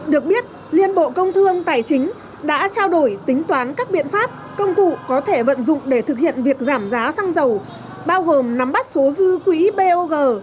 được biết liên bộ công thương tài chính đã trao đổi tính toán các biện pháp công cụ có thể vận dụng để thực hiện việc giảm giá xăng dầu bao gồm nắm bắt số dư quỹ bog